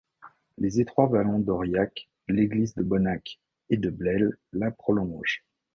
Les étroits vallons d'Auriac-l’Église de Bonnac et de Blesle la prolongent.